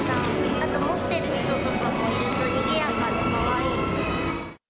あと持っている人とかもいると、にぎやかでかわいいので。